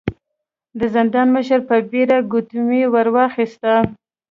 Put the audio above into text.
د زندان مشر په بيړه ګوتمۍ ور واخيسته.